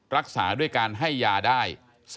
รักษาด้วยการให้ยาได้